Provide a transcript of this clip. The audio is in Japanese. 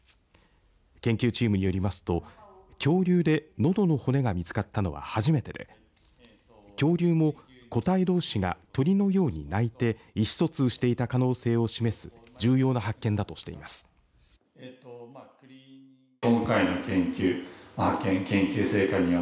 研究チームによりますと恐竜で、のどの骨が見つかったのは初めてで恐竜も個体どうしが鳥のように鳴いて意思疎通していた可能性を示す重要な発見だとしています。